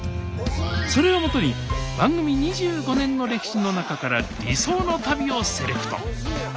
それをもとに番組２５年の歴史の中から理想の旅をセレクト！